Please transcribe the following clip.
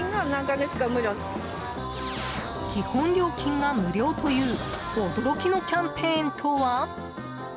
基本料金が無料という驚きのキャンペーンとは？